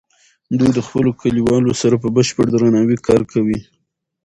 دوی د خپلو کلیوالو سره په بشپړ درناوي کار کوي.